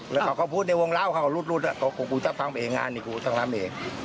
แล้วก็พูดในวงเล่าเขารุดต้องทำเองงานนี่ต้องทำเอง